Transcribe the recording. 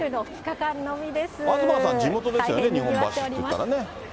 東さん、地元ですよね、日本橋といったらね。